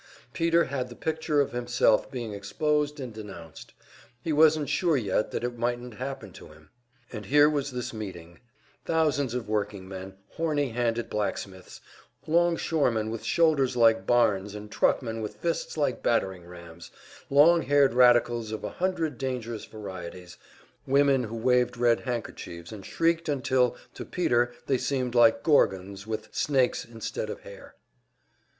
Peter had the picture of himself being exposed and denounced; he wasn't sure yet that it mightn't happen to him. And here was this meeting thousands of workingmen, horny handed blacksmiths, longshoremen with shoulders like barns and truckmen with fists like battering rams, long haired radicals of a hundred dangerous varieties, women who waved red handkerchiefs and shrieked until to Peter they seemed like gorgons with snakes instead of hair.